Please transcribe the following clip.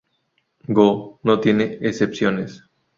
Go no tiene excepciones.